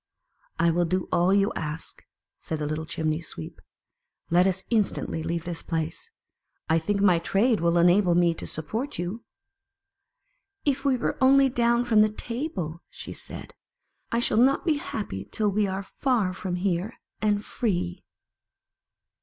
"I will do all you ask," said the little Chimney sweep. " Let us instantly leave this place. I think my trade will enable me to support you." "If we were only down from the table," said she. " I shall not be happy till we are far from here, and free."